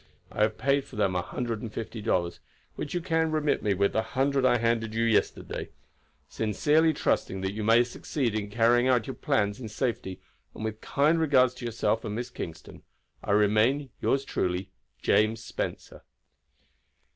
I have paid for them a hundred and fifty dollars, which you can remit me with the hundred I handed you yesterday. Sincerely trusting that you may succeed in carrying out your plans in safety, and with kind regards to yourself and Miss Kingston, "I remain, yours truly, "James Spencer."